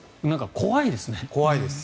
怖いです。